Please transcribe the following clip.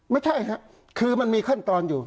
ไม่ใช่ครับคือมันมีขั้นตอนอยู่